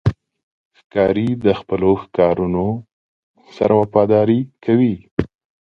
ښکاري د خپلو ښکارونو سره وفاداري کوي.